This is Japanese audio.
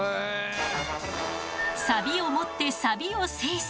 サビをもってサビを制す。